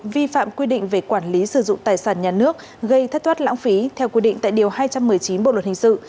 vi phạm quy định về quản lý sử dụng tài sản nhà nước gây thất thoát lãng phí theo quy định tại điều hai trăm một mươi chín bộ luật hình sự